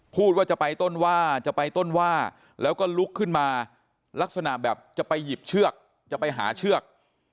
พูดว่าจะไปต้นว่าจะไปต้นว่าแล้วก็ลุกขึ้นมาลักษณะแบบจะไปหยิบเชือกจะไปหาเชือก